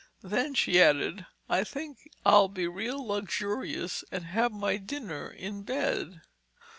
Then," she added, "I think I'll be real luxurious and have my dinner in bed."